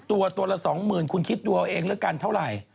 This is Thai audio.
ตัวตัวละ๒๐๐๐คุณคิดดูเอาเองแล้วกันเท่าไหร่